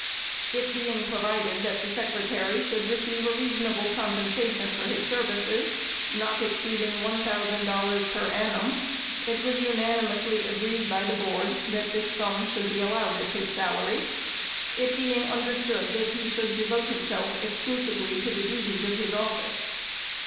It being provided that the Secretary should receive a reasonable compensation for his services, not exceeding one thousand dollars per annum, it was unanimously agreed by the Board, that this sum should be allowed as his salary ; it being understood that he should devote himself exclusively to the duties of his of fice.